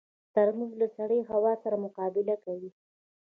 ترموز له سړې هوا سره مقابله کوي.